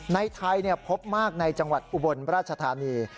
ในไทยพบมากในจังหวัดอุบลราชธานี